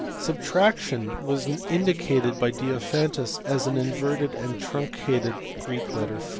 Subtraction was indicated by Diophaiitus by an inverted and truncated ^ (see p.